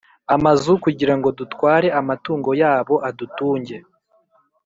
amazu kugira ngo dutware amatungo yabo adutunge: